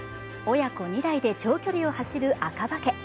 親子２代で長距離を走る赤羽家。